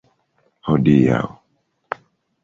hodiaŭ